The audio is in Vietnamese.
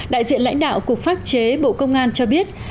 đại diện lãnh đạo cục pháp chế bộ công an cho biết